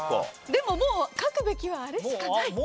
でももう書くべきはあれしかない。